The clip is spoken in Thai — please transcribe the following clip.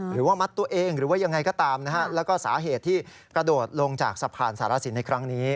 หรือว่ามัดตัวเองหรือว่ายังไงก็ตามนะฮะแล้วก็สาเหตุที่กระโดดลงจากสะพานสารสินในครั้งนี้